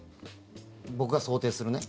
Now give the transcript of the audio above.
僕が想定するね。